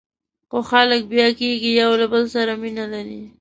خو خلک بیا کېږي، یو له بل سره مینه لري.